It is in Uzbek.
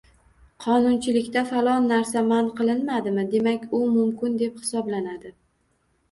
Qonunchilikda falon narsa man qilinmadimi, demak u mumkin deb hisoblanadi.